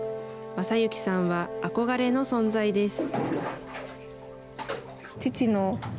正行さんは憧れの存在です。